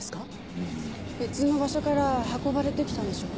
別の場所から運ばれてきたんでしょうか。